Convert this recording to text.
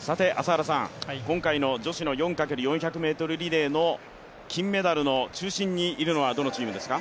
今回の女子の４×４００ｍリレーの金メダルの中心にいるのはどのチームですか。